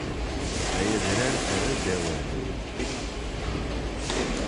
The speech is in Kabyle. Ay adrar err-d awal!